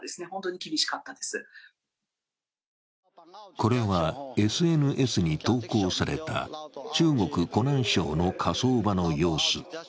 これはＳＮＳに投稿された中国・湖南省の火葬場の様子。